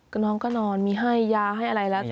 ก็น้องก็นอนมีให้ยาให้อะไรแล้ว